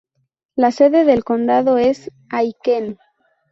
La sede del condado es Aiken.